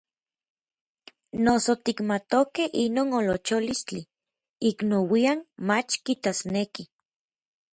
Noso tikmatokej inon olocholistli, ik nouian mach kitasnekij.